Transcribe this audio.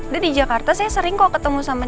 dia di jakarta saya sering kok ketemu sama dia